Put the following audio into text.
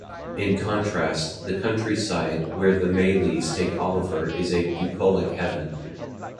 In contrast, the countryside where the Maylies take Oliver is a bucolic heaven.